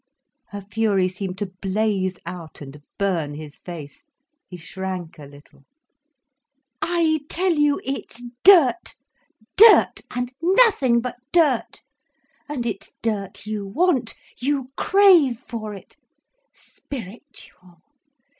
Her fury seemed to blaze out and burn his face. He shrank a little. "I tell you it's dirt, dirt, and nothing but dirt. And it's dirt you want, you crave for it. Spiritual!